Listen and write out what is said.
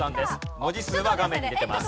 文字数は画面に出てます。